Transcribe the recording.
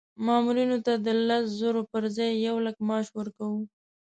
مامورینو ته د لس زره پر ځای یو لک معاش ورکوو.